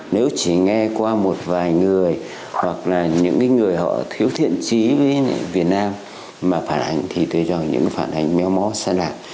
nếu chỉ nghe qua một vài người hoặc là những người họ thiếu thiện trí với việt nam mà phản ánh thì tôi cho những phản hành méo mó xa lạ